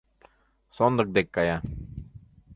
Сондык дек кая.